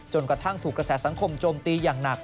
กระทั่งถูกกระแสสังคมโจมตีอย่างหนัก